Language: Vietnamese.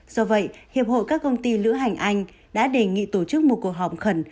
do vậy hiệp hội các công ty lữ hành anh đã đề nghị tổ chức một cuộc họp khẩn